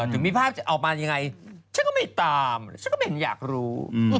ถึงมีภาพจะออกมายังไงฉันก็ไม่ตามฉันก็ไม่เห็นอยากรู้